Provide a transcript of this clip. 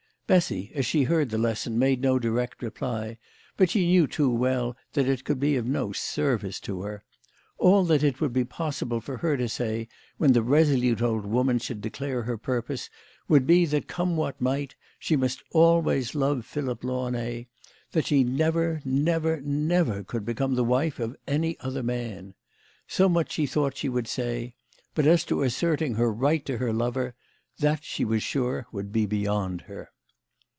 Bessy, as she heard the lesson, made no direct reply, but she knew too well that it could be of no service to her. All that it would be possible for her to say, when the resolute old woman should declare her purpose, would be that come what might she must always love Philip Launay ; that she never, never, never could become the wife of any other man. So much she thought she would say. But as to asserting her right to her lover, that she was sure would be beyond her.